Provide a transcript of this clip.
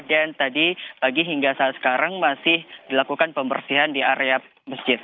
dan tadi lagi hingga saat sekarang masih dilakukan pembersihan di area masjid